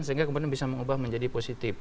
sehingga kemudian bisa mengubah menjadi positif